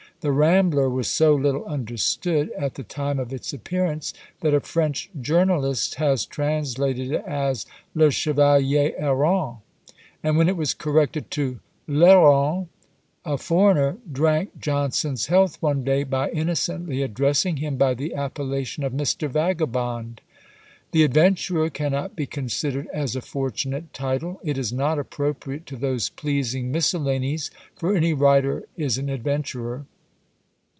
The "Rambler" was so little understood, at the time of its appearance, that a French journalist has translated it as "Le Chevalier Errant;" and when it was corrected to L'Errant, a foreigner drank Johnson's health one day, by innocently addressing him by the appellation of Mr. "Vagabond!" The "Adventurer" cannot be considered as a fortunate title; it is not appropriate to those pleasing miscellanies, for any writer is an adventurer.